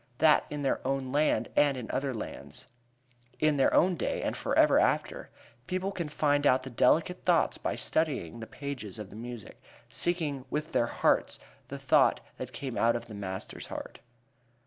Then, in their own land and in other lands, in their own day and forever after, people can find out the delicate thoughts by studying the pages of the music, seeking with their hearts the thought that came out of the master's heart.